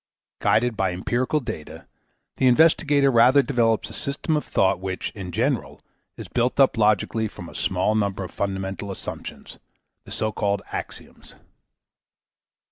Guided by empirical data, the investigator rather develops a system of thought which, in general, is built up logically from a small number of fundamental assumptions, the so called axioms.